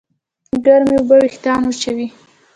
ګرمې اوبه وېښتيان وچوي.